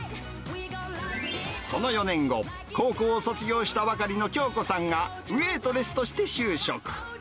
その４年後、高校を卒業したばかりの京子さんが、ウエートレスとして就職。